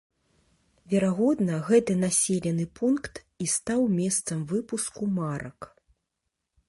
Верагодна, гэты населены пункт і стаў месцам выпуску марак.